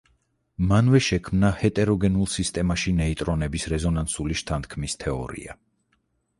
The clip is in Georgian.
მანვე შექმნა ჰეტეროგენულ სისტემაში ნეიტრონების რეზონანსული შთანთქმის თეორია.